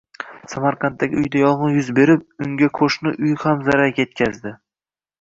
Samarqanddagi uyda yong‘in yuz berib, unga qo‘shni uyga ham zarar yetkazdi